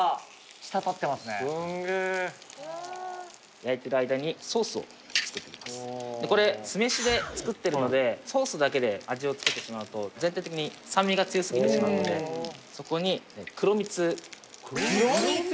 焼いてる間にこれ酢飯で作ってるのでソースだけで味を作ってしまうと全体的に酸味が強すぎてしまうのでそこに黒蜜黒蜜？